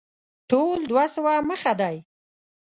ټول دوه سوه مخه دی.